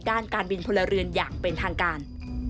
ด้านการบินพลเรือนอย่างเป็นทางการ